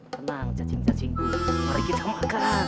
tenang cacing cacingku mari kita makan